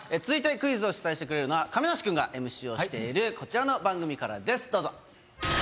続いてクイズを出題してくれるのは亀梨君がＭＣをしているこちらの番組からですどうぞ。